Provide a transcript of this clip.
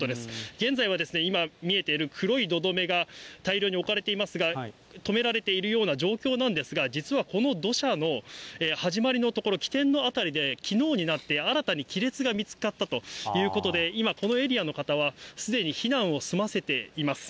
現在は今、見えている黒い土留めが大量に置かれていますが、止められているような状況なんですが、実はこの土砂の始まりの所、起点の辺りできのうになって新たに亀裂が見つかったということで、今、このエリアの方はすでに避難を済ませています。